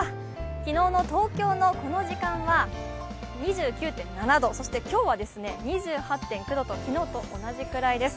昨日の東京のこの時間は２９．７度、そして今日は２８．９度と昨日と同じくらいです。